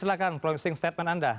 silahkan closing statement anda